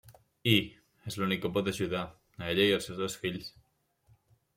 I, és l'únic que la pot ajudar, a ella i els seus dos fills.